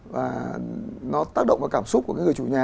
và nó tác động vào cảm xúc của cái người chủ nhà